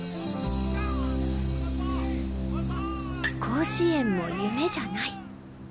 甲子園も夢じゃない。